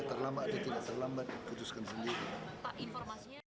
terlambat tidak terlambat putuskan sendiri